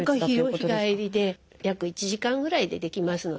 約１時間ぐらいでできますので。